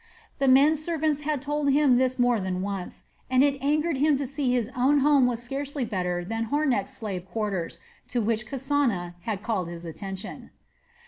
The men servants had told him this more than once, and it angered him to see that his own home was scarcely better than Hornecht's slave quarters, to which Kasana had called his attention.